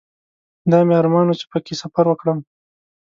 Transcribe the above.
دا مې ارمان و چې په کې سفر وکړم.